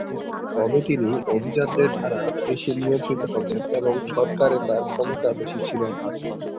তবে তিনি অভিজাতদের দ্বারা বেশি নিয়ন্ত্রিত হতেন এবং সরকারে তার ক্ষমতা বেশি ছিল না।